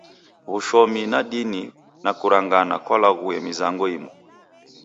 W'ushomi na dini na kuranganakwaghaluye mizango imu.